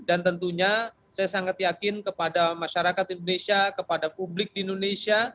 dan tentunya saya sangat yakin kepada masyarakat indonesia kepada publik di indonesia